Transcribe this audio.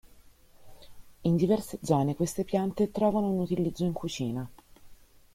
In diverse zone queste piante trovano un utilizzo in cucina.